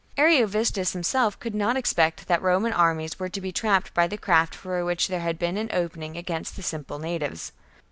Ariovistus himself could not expect that Roman armies were to be trapped by the craft for which there had been an opening against the simple natives.